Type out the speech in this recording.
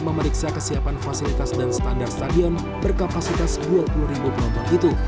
memeriksa kesiapan fasilitas dan standar stadion berkapasitas dua puluh ribu penonton itu